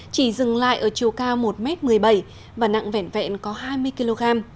chỉ dừng lại ở chiều cao một m một mươi bảy và nặng vẻn vẹn có hai mươi kg